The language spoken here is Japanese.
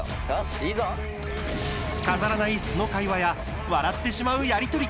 飾らない素の会話や笑ってしまう、やり取り。